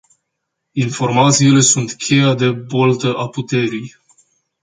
Informațiile sunt cheia de boltă a puterii.